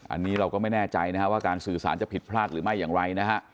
อันนี้เราก็ไม่แน่ใจนะครับว่าการสื่อสารจะผิดพลาดหรือไม่อย่างไรนะฮะ